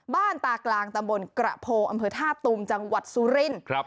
บ้านตากลางตำบลกระโพอำเภอท่าตูมจังหวัดสุรินทร์